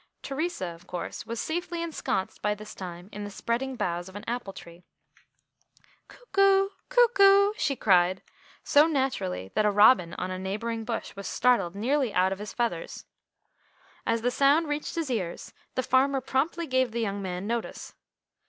Theresa, of course, was safely ensconced by this time in the spreading boughs of an apple tree. "Cuckoo! Cuckoo!" she cried, so naturally that a robin on a neighbouring bush was nearly startled out of his feathers. As the sound reached his ears, the farmer promptly gave the young man notice.